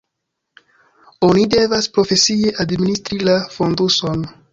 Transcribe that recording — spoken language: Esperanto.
Oni devas profesie administri la fonduson.